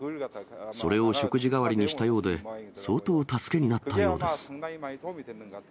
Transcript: それを食事代わりにしたようで、相当助けになったようです。